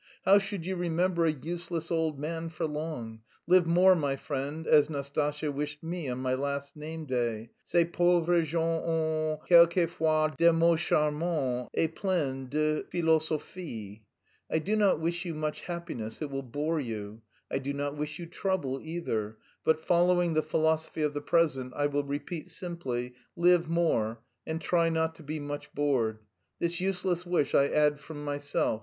How should you remember a useless old man for long? 'Live more,' my friend, as Nastasya wished me on my last name day (ces pauvres gens ont quelquefois des mots charmants et pleins de philosophie). I do not wish you much happiness it will bore you. I do not wish you trouble either, but, following the philosophy of the peasant, I will repeat simply 'live more' and try not to be much bored; this useless wish I add from myself.